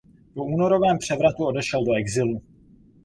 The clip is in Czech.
Po únorovém převratu odešel do exilu.